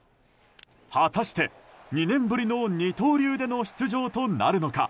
果たして、２年ぶりの二刀流での出場となるのか。